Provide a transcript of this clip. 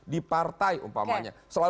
di partai umpamanya